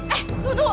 eh tuh tuh